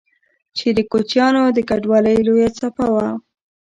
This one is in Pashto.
چې د کوچيانو د کډوالۍ لويه څپه وه